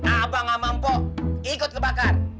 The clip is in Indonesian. abang sama mpo ikut kebakar